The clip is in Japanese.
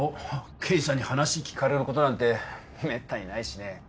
刑事さんに話聞かれることなんてめったにないしね